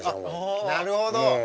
なるほど！